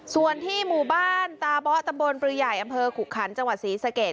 ส่วนที่หมู่บ้านตาเบาะตำบลปลือใหญ่อำเภอขุขันจังหวัดศรีสะเกด